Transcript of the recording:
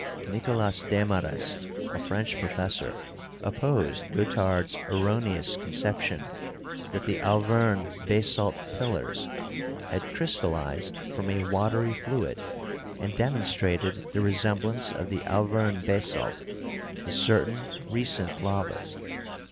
Nicolas Desmarest, a French professor, opposed Guet tard's erroneous conception that the Auvergne basalt pillars had crystallized from a watery fluid and demon strated the resemblance of the Auvergne basalt to certain recent lavas.